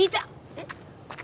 えっ？